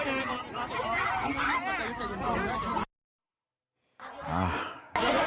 โอ้โฮ